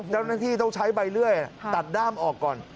เจ้าหน้าที่ต้องใช้ใบเลื่อยตัดด้ามออกก่อน